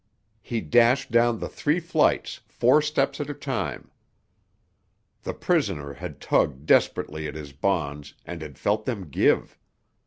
He dashed down the three flights four steps at a time. The prisoner had tugged desperately at his bonds and had felt them give.